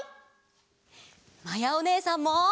まやおねえさんも。